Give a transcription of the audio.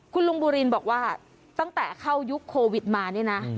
คุณลุงบูรินบอกว่าตั้งแต่เข้ายุคโควิดมาเนี่ยนะ